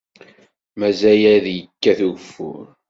Mazal ad yekkat ugeffur!